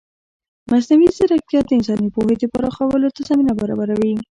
مصنوعي ځیرکتیا د انساني پوهې پراخولو ته زمینه برابروي.